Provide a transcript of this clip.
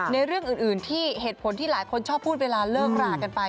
เรื่องอื่นที่เหตุผลที่หลายคนชอบพูดเวลาเลิกรากันไป